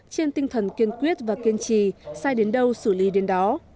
trên tinh thần kiên quyết và kiên trì sai đến đâu xử lý đến đó